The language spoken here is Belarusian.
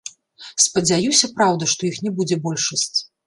Спадзяюся, праўда, што іх не будзе большасць.